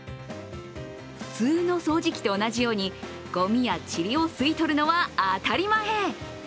普通の掃除機と同じように、ごみやちりを吸い取るのは当たり前。